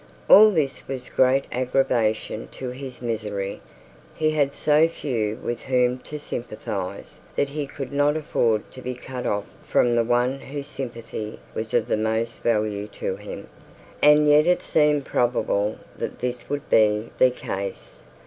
All this was a great aggravation to his misery. He had so few with whom to sympathise, that he could not afford to be cut off from the one whose sympathy was of the most value to him. And yet it seemed probable that this would be the case.